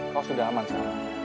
kau sudah aman sarah